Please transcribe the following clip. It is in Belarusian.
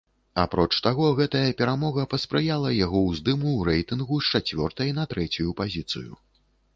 Апроч таго, гэтая перамога паспрыяла яго ўздыму ў рэйтынгу з чацвёртай на трэцюю пазіцыю.